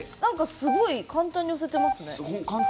すごい簡単に押せてますね。